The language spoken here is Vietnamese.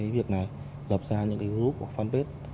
việc này lập ra những group hoặc fanpage